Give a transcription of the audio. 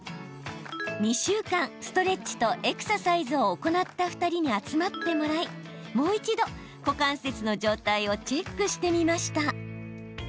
２週間、ストレッチとエクササイズを行った２人に集まってもらいもう一度、股関節の状態をチェックしてみました。